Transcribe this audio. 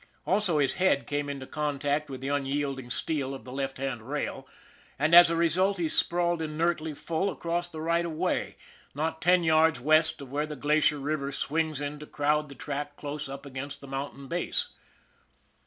Also his head came into contact with the unyielding steel of the left hand rail, and as a result he sprawled inertly full across the right of way, not ten yards west of where the Glacier River swings in to crowd the track close up against the mountain base.